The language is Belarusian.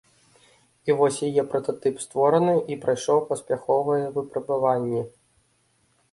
І вось яе прататып створаны і прайшоў паспяховыя выпрабаванні.